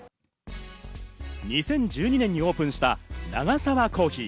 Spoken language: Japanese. ２０１２年にオープンしたナガサワコーヒー。